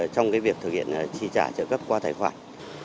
trong việc thực hiện chi trả trợ cấp qua tài khoản